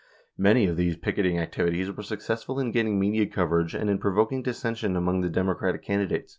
Many of these picketing activities were successful in getting media coverage and in provoking dissension among the Democratic candi dates.